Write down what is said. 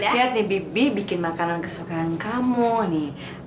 lihat di bibi bikin makanan kesukaan kamu nih